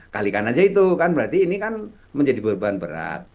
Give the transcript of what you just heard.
kalikan aja itu kan berarti ini kan menjadi beban berat